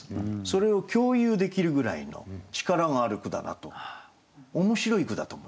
それを共有できるぐらいの力がある句だなと面白い句だと思いました。